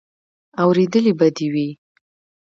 اورېدلې به دې وي.